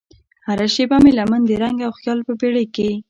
هره شیبه مې لمن د رنګ او خیال په بیړۍ کې